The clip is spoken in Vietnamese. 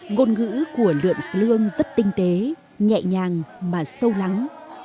ngôn ngữ của lượn sơ lương rất tinh tế nhẹ nhàng mà sâu lắng